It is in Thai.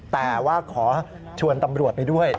แต่ว่าขอชวนตำรวจไปด้วย